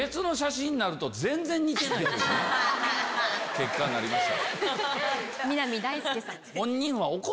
結果になりました。